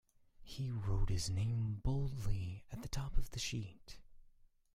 He wrote his name boldly at the top of the sheet.